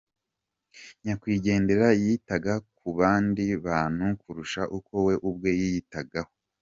Nyakwigendera yitaga ku bandi bantu kurusha uko we ubwe yiyitagaho.